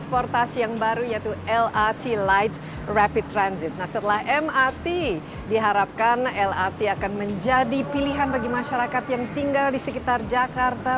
pertama perjalanan ke jakarta